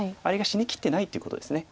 あれが死にきってないっていうことです。